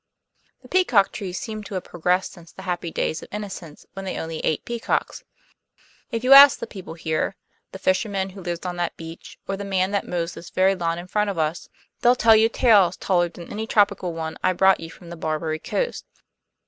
The peacock trees seem to have progressed since the happy days of innocence when they only ate peacocks. If you ask the people here the fisherman who lives on that beach, or the man that mows this very lawn in front of us they'll tell you tales taller than any tropical one I brought you from the Barbary Coast.